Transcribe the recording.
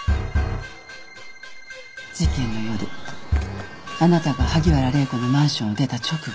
事件の夜あなたが萩原礼子のマンションを出た直後